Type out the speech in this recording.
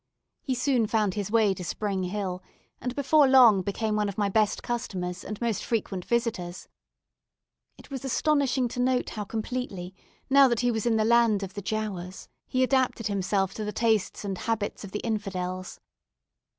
He soon found his way to Spring Hill, and before long became one of my best customers and most frequent visitors. It was astonishing to note how completely, now that he was in the land of the Giaours, he adapted himself to the tastes and habits of the infidels.